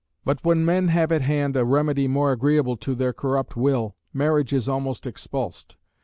But when men have at hand a remedy more agreeable to their corrupt will, marriage is almost expulsed.